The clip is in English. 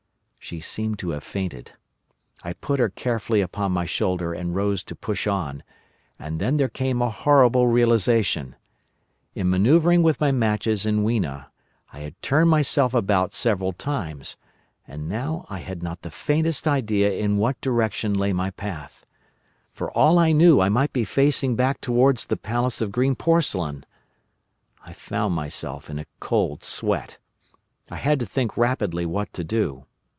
"She seemed to have fainted. I put her carefully upon my shoulder and rose to push on, and then there came a horrible realisation. In manœuvring with my matches and Weena, I had turned myself about several times, and now I had not the faintest idea in what direction lay my path. For all I knew, I might be facing back towards the Palace of Green Porcelain. I found myself in a cold sweat. I had to think rapidly what to do.